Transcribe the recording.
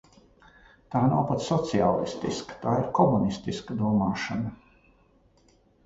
Tā nav pat sociālistiska, tā ir komunistiska domāšana.